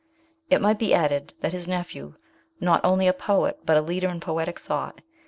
It might be added that his nephew, not only a poet but a leader in poetic thought, 96 MRS.